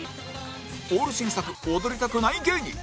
オール新作踊りたくない芸人